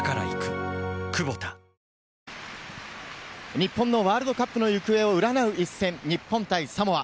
日本のワールドカップの行方を占う一戦、日本対サモア。